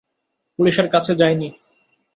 পুলিশের কাছে যাইনি।